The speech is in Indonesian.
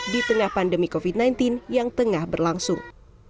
di tengah pandemi covid sembilan belas yang tengah berlangsung